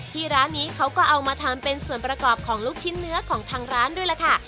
ร้านนี้เขาก็เอามาทำเป็นส่วนประกอบของลูกชิ้นเนื้อของทางร้านด้วยล่ะค่ะ